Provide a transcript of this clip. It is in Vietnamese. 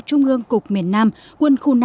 trung ương cục miền nam quân khu năm